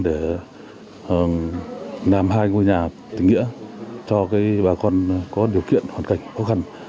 để làm hai ngôi nhà tình nghĩa cho bà con có điều kiện hoàn cảnh khó khăn